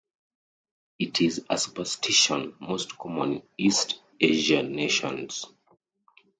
It is a superstition most common in East Asian nations.